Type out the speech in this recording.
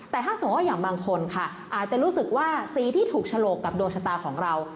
แต่ถ้าสมมุติว่าอย่างบางคนค่ะอาจจะรู้สึกว่าสีที่ถูกฉลกกับดวงชะตาของเรา